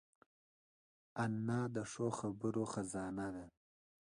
انا د ښو خبرو خزانه ده